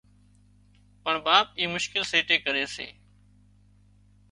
پڻ ٻاپ اي مشڪل سيٽي ڪري سي